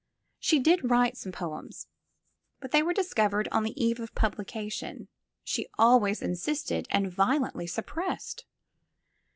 She did write some poems, but they were discovered, on the eve of publication, she always insisted, and vio lently suppressed.